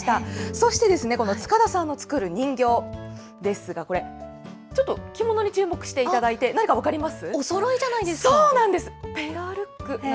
そしてこの塚田さんの作る人形ですが、これ、ちょっと着物に注目していただいて、何か分かります？